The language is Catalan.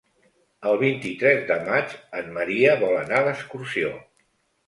El vint-i-tres de maig en Maria vol anar d'excursió.